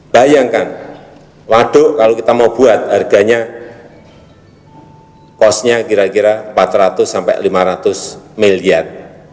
bayangkan waduk kalau kita mau buat harganya kosnya kira kira empat ratus sampai lima ratus miliar